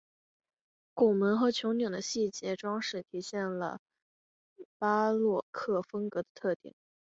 拱门和穹顶的细部装饰体现了巴洛克风格的特点。